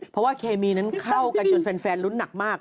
เพราะว่าเคมีนั้นเข้ากันจนแฟนลุ้นหนักมาก